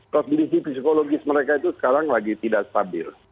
kondisi psikologis mereka itu sekarang lagi tidak stabil